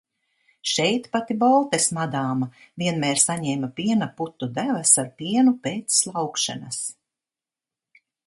"Šeit pati "Boltes madāma" vienmēr saņēma piena putu devas ar pienu pēc slaukšanas."